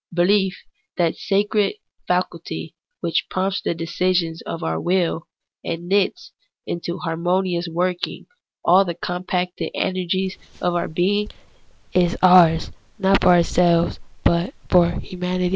Behef, that sacred faculty which prompts the decisions of our mil, and knits into harmonious working all the compacted energies THE ETHICS OF BELIEF. 183 of our being, is ours not for ourselves, but for humanity.